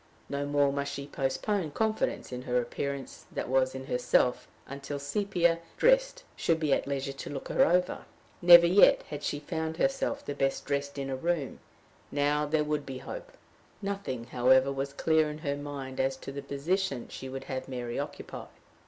No more must she postpone confidence in her appearance, that was, in herself, until Sepia, dressed, should be at leisure to look her over! Never yet had she found herself the best dressed in a room: now there would be hope! Nothing, however, was clear in her mind as to the position she would have Mary occupy.